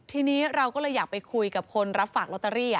ทีนี้เราก็เลยอยากไปคุยกับคนรับฝากลอตเตอรี่